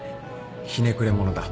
ひねくれ者だ。